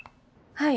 はい。